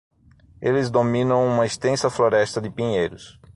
Eles dominam uma extensa floresta de pinheiros.